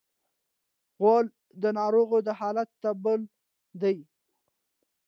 غول د ناروغ د حالت تابل دی.